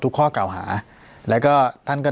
ข้อเก่าหาแล้วก็ท่านก็